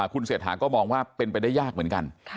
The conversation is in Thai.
คุณเศรษฐาก็มองว่าเป็นไปได้ยากเหมือนกัน